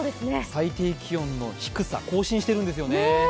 最低気温の低さ、更新しているんですよね。